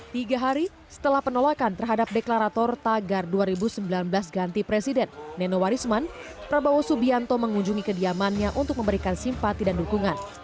tiga hari setelah penolakan terhadap deklarator tagar dua ribu sembilan belas ganti presiden nenowarisman prabowo subianto mengunjungi kediamannya untuk memberikan simpati dan dukungan